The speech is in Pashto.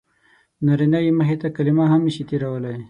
نارینه یې مخې ته کلمه هم نه شي تېرولی.